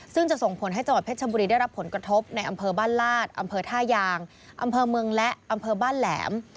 ซึ่งจะส่งผลให้จังหวัดเพชรชบุรีได้รับผลกระทบในอำเภอบ้านลาดอำเภอท่ายางอำเภอเมืองและอำเภอบ้านแหลม